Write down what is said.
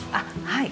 はい。